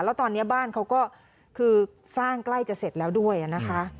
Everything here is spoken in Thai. แล้วตอนนี้บ้านเขาก็คือสร้างใกล้จะเสร็จแล้วด้วยนะคะ